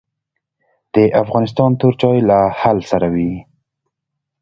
د افغانستان تور چای له هل سره وي